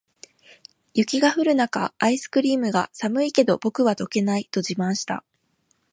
雪が降る中、アイスクリームが「寒いけど、僕は溶けない！」と自慢した。